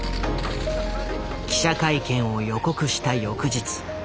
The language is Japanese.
記者会見を予告した翌日。